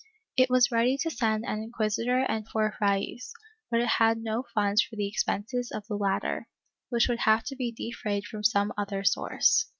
It was ready to send an inquisitor and four frailes, but it had no funds for the expenses of the latter, which would have to be defrayed from some other source.